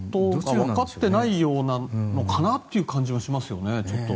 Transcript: わかってないようなのかなという感じがしますよね。